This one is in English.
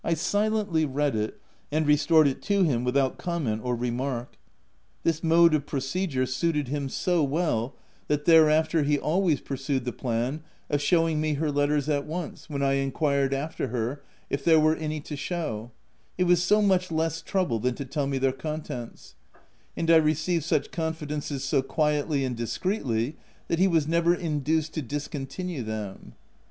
I silently read it, and restored it to him without comment or remark. This mode of procedure suited him 232 THE TENANT so well that thereafter he always pursued the plan of showing me her letters at once, when I enquired after her, if there were any to show : it was so much less trouble than to tell me their contents ; and I received such confidences so quietly and discreetly that he was never induced to discontinue them.